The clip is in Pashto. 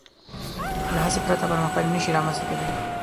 له هڅې پرته پرمختګ نهشي رامنځ ته کېدی.